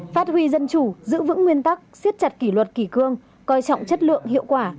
phát huy dân chủ giữ vững nguyên tắc siết chặt kỷ luật kỷ cương coi trọng chất lượng hiệu quả